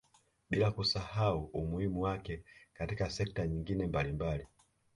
Bila kusahau umuhimu wake katika sekta nyingine mbalimbali